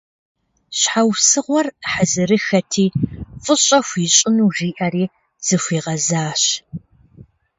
Щхьэусыгъуэр хьэзырыххэти, фӏыщӏэ хуищӏыну жиӏэри, зыхуигъэзащ.